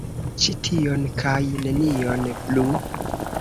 Ĉi tion kaj nenion plu!